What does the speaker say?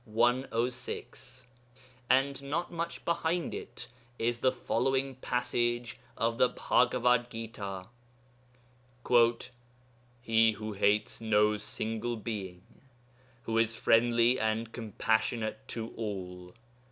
106), and not much behind it is the following passage of the Bhagavad Gita, 'He who hates no single being, who is friendly and compassionate to all